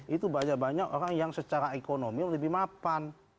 itu banyak banyak orang yang secara ekonomi lebih mapan